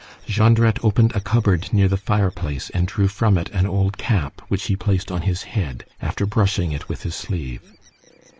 Jondrette opened a cupboard near the fireplace, and drew from it an old cap, which he placed on his head, after brushing it with his sleeve.